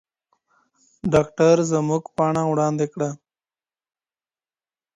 ډاکټر زموږ پاڼه وړاندي کړه.